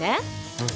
うん。